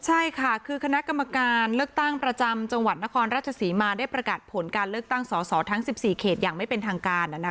ใช่ค่ะคือคณะกรรมการเลือกตั้งประจำจังหวัดนครราชศรีมาได้ประกาศผลการเลือกตั้งสอสอทั้ง๑๔เขตอย่างไม่เป็นทางการ